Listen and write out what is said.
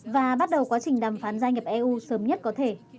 và bắt đầu quá trình đàm phán gia nhập eu sớm nhất có thể